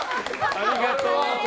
ありがとう。